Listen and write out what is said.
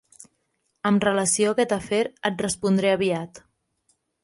Amb relació a aquest afer, et respondré aviat.